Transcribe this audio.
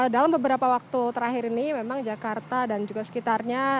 dalam beberapa waktu terakhir ini memang jakarta dan juga sekitarnya